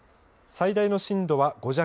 最大の震度は５弱。